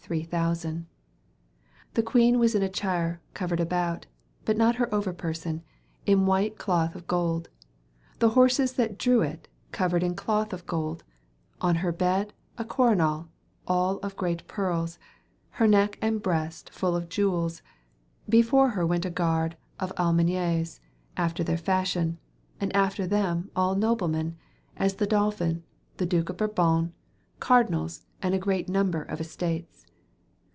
iiiM. The quene was in a chyre coured about (but not her ouer person) in white clothe of golde, the horses that drewe it couered in clothe of golde, on her bed a coronall, al of greate perles, her necke and brest full of Iuels, before her wente a garde of Almaynes after ther fascion, and after them al noblemen, as the Dolphyn, the Duke of Burbon, Cardynalles, and a greate nomber of estates.